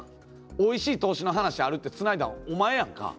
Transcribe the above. おいしい投資の話あるってつないだのお前やんか。